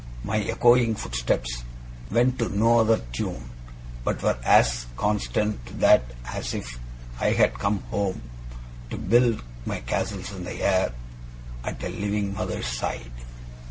My echoing footsteps went to no other tune, but were as constant to that as if I had come home to build my castles in the air at a living mother's side.